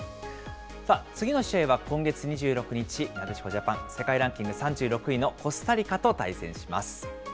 さあ、次の試合は今月２６日、なでしこジャパン、世界ランキング３６位のコスタリカと対戦します。